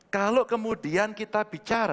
kalau kemudian kita bicara